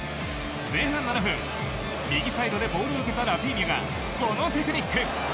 前半７分右サイドでボールを受けたラフィーニャがこのテクニック。